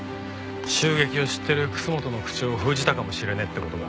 襲撃を知ってる楠本の口を封じたかもしれねえって事か。